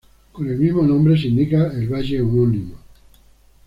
Con el mismo nombre se indica el valle homónimo.